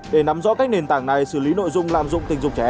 để nắm rõ các nền tảng của bạn